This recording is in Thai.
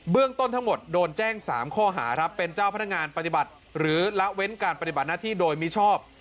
เรื่องต้นทั้งหมดโดนแจ้ง๓ข้อหาครับเป็นเจ้าพนักงานปฏิบัติหรือละเว้นการปฏิบัติหน้าที่โดยมิชอบ